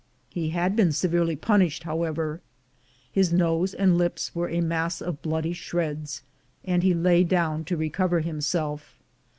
He had been severely punished, however; his nose and lips were a mass of bloody shreds, and he lay down to recover himself.